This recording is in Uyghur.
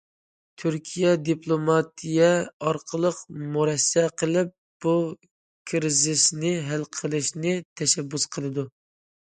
تۈركىيە دىپلوماتىيە ئارقىلىق مۇرەسسە قىلىپ بۇ كىرىزىسنى ھەل قىلىشنى تەشەببۇس قىلىدۇ.